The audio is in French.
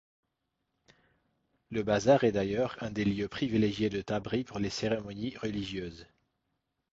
Le bazar est d'ailleurs un des lieux privilégiés de Tabriz pour les cérémonies religieuses.